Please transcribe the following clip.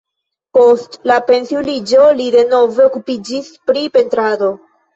Post la pensiuliĝo li denove okupiĝis pri pentrado.